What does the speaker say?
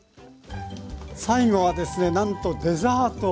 最後はですねなんとデザート！